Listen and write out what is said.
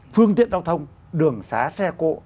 phương tiện đào thông đường xá xe cộ